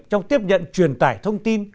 trong tiếp nhận truyền tải thông tin